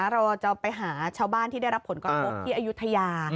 เราจะไปหาชาวบ้านที่ได้รับผลกระทบที่อายุทยา